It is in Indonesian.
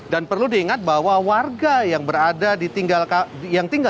dan perlu diingat bahwa warga yang tinggal di kabupaten